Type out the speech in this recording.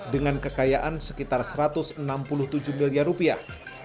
dengan kekayaan sekitar satu ratus enam puluh tujuh miliar rupiah